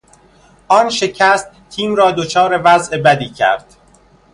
آن شکست تیم را دچار وضع بدی کرد.